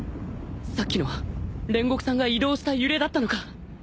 さっきのは煉獄さんが移動した揺れだったのか